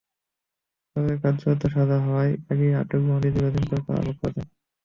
ফলে কার্যত সাজা হওয়ার আগেই আটক বন্দী দীর্ঘদিন ধরে কারাভোগ করেছেন।